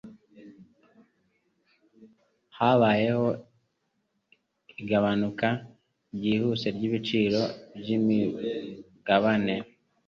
Habayeho igabanuka ryihuse ryibiciro byimigabane.